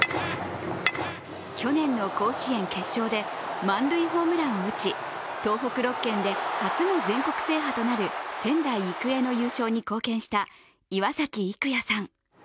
去年の甲子園決勝で、満塁ホームランを打ち、東北６県で初の全国制覇となる仙台育英の優勝に貢献した岩崎生弥さん。